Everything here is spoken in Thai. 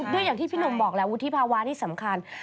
ด้วยอย่างที่พี่หนุ่มบอกแล้ววุฒิภาวะนี่สำคัญ